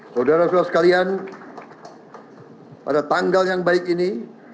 saudara saudara sekalian pada tanggal yang baik ini